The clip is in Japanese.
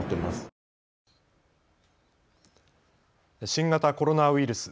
新型コロナウイルス。